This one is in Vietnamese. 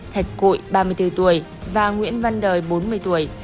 thạch cụi ba mươi bốn tuổi và nguyễn văn đời bốn mươi tuổi